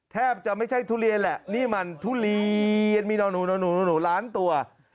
แทบจะไม่ใช่ทุเรียนแหละนี่มันทุเรียนมีหนูล้านตัว